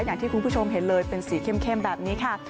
อย่างที่คุณผู้ชมเห็นเลยเป็นสีเข้มแบบนี้ค่ะ